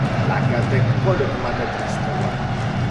Tlakatekolotl matetlaxtlaua.